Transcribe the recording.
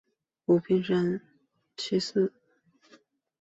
武平四年去世。